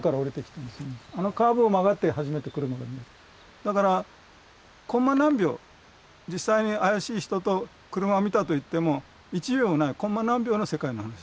だからコンマ何秒実際に怪しい人と車を見たといっても１秒もないコンマ何秒の世界の話です。